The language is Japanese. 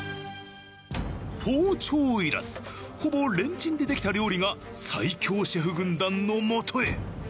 包丁いらずほぼレンチンでできた料理が最強シェフ軍団の元へ。